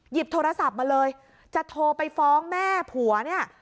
โทรศัพท์มาเลยจะโทรไปฟ้องแม่ผัวเนี่ย